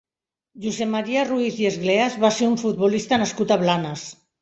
Josep Maria Ruiz i Esgleas va ser un futbolista nascut a Blanes.